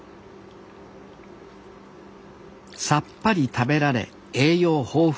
さっぱり食べられ栄養豊富。